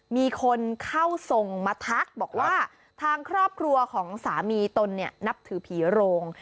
มีคนเข้าส่งมาทักบอกว่าทางครอบครัวของสามีตนเนี่ยนับถือผีโรง